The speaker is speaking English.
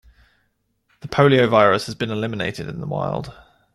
The poliovirus has been eliminated in the wild.